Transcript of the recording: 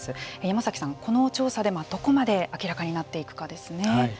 山崎さん、この調査でどこまで明らかになっていくかですね。